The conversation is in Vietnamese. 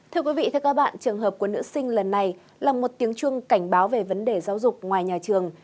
thưa quý vị trường hợp của nữ sinh lần này là một tiếng chuông cảnh báo về vấn đề giáo dục ngoài nhà trường